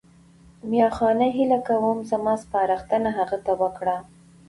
میاخانه هیله کوم زما سپارښتنه هغه ته وکړه.